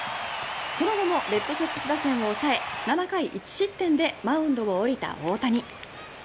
その後もレッドソックス打線を抑え７回１失点でマウンドを降りた大谷。